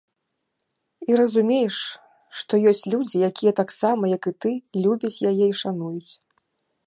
І разумееш, што ёсць людзі, якія таксама, як і ты, любяць яе і шануюць.